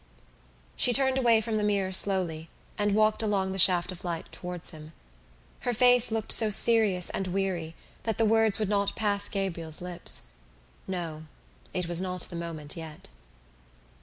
She turned away from the mirror slowly and walked along the shaft of light towards him. Her face looked so serious and weary that the words would not pass Gabriel's lips. No, it was not the moment yet.